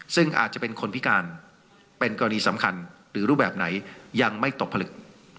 ซึ่งอาจจะเป็นคนพิการเป็นกรณีสำคัญหรือรูปแบบไหนยังไม่ตกผลึก